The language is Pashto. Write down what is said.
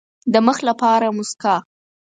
د مخ لپاره موسکا.